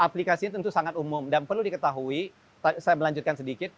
aplikasi ini tentu sangat umum dan perlu diketahui saya melanjutkan sedikit